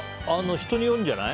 人によるんじゃない？